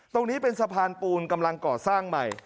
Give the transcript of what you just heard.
ตรงนี้เป็นสะพานปูนกำลังก่อสร้างใหม่